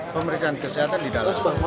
pemeriksaan kesehatan di dalam